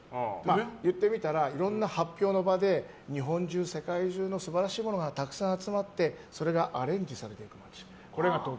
行ってみたらいろんな発表の場で日本中、世界中のいいものがたくさん集まってそれがアレンジされていく街。